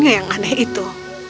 yang aneh itu